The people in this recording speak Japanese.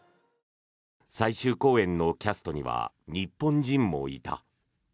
最終公演のキャストには日本人もいた。